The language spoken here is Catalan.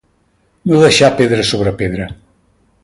No deixar pedra sobre pedra.